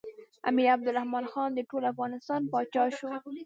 امیر عبدالرحمن خان د ټول افغانستان پاچا شو.